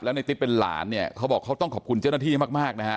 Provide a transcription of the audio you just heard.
ในติ๊บเป็นหลานเนี่ยเขาบอกเขาต้องขอบคุณเจ้าหน้าที่มากมากนะฮะ